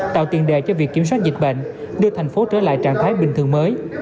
tạo tiền đề cho việc kiểm soát dịch bệnh đưa thành phố trở lại trạng thái bình thường mới